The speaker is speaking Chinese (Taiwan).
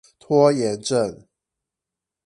拖延症